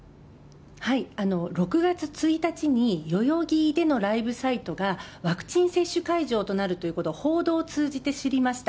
６月１日に代々木でのライブサイトが、ワクチン接種会場となるということは、報道を通じて知りました。